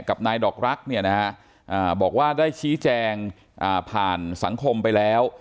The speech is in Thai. นายดอกรักเนี่ยนะฮะบอกว่าได้ชี้แจงผ่านสังคมไปแล้ว